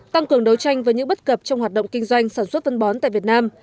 tăng cường đấu tranh với những bất cập trong hoạt động kinh doanh sản xuất phân bón tại việt nam